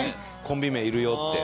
コンビ名いるよって。